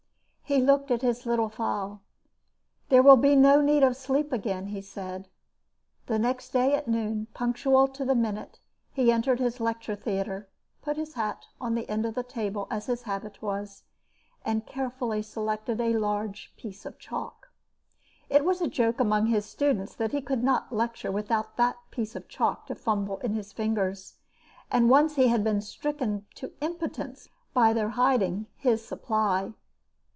He looked at the little phial. "There will be no need of sleep again," he said. The next day at noon, punctual to the minute, he entered his lecture theatre, put his hat on the end of the table as his habit was, and carefully selected a large piece of chalk. It was a joke among his students that he could not lecture without that piece of chalk to fumble in his fingers, and once he had been stricken to impotence by their hiding his supply.